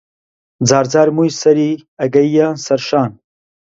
جارجار مووی سەری ئەگەییە سەر شان